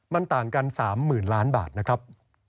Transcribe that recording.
มันต่างกัน๓๐๐๐ล้านบาทนะครับ